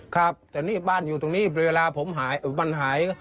ครับแต่นี่บ้านอยู่ตรงนี้เวลาผมหายมันหาย